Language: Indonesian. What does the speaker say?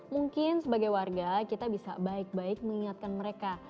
mungkin sebagai warga kita bisa baik baik mengingatkan mereka